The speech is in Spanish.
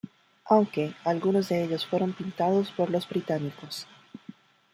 Aunque, algunos de ellos fueron pintados por los británicos.